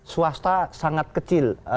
swasta sangat kecil